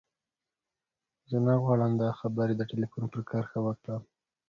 زه نه غواړم دا خبرې د ټليفون پر کرښه وکړم.